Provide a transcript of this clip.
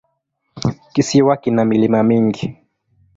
Kisiwa kina milima mingi.